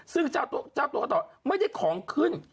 ซึ่งเจ้าตัวก็ตอบไม่ได้ของขึ้น